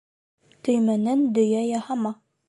Төймәнән дөйә яһама.